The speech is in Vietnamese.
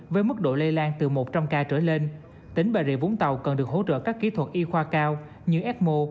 với mức độ lây lan từ một trăm linh ca trở lên tỉnh bà rịa vũng tàu cần được hỗ trợ các kỹ thuật y khoa cao như fmo